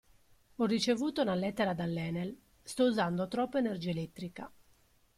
Ho ricevuto una lettera dall'ENEL, sto usando troppa energia elettrica.